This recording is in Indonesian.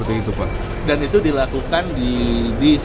dan itu dilakukan di